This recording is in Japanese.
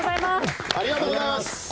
ありがとうございます！